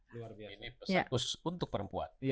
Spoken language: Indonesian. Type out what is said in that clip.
ini pesan khusus untuk perempuan